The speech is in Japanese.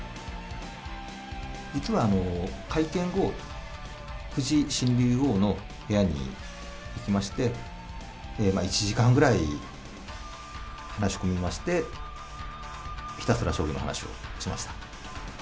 実は会見後、藤井新竜王の部屋に行きまして、１時間ぐらい話し込みまして、ひたすら将棋の話をしました。